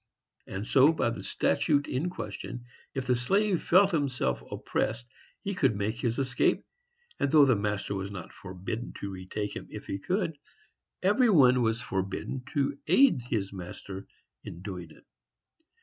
And so, by the statute in question, if the slave felt himself oppressed, he could make his escape, and, though the master was not forbidden to retake him if he could, every one was forbidden to aid his master in doing it.